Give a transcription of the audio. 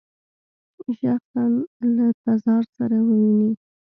شخصاً له تزار سره وویني.